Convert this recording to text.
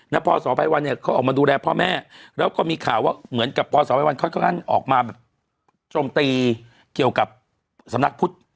พศภัยวันเนี่ยเขาออกมาดูแลพ่อแม่แล้วก็มีข่าวว่าเหมือนกับพศภัยวันเขาค่อนข้างออกมาแบบโจมตีเกี่ยวกับสำนักพุทธ